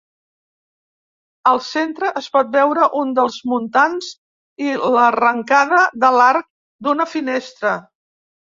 Al centre es pot veure un dels muntants, i l'arrencada de l'arc, d'una finestra.